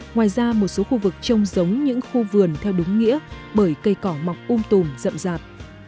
ngoài ra một số khu vực trông giống những khu vườn theo đúng nghĩa bởi cây cỏ mọc um tùm rậm rạp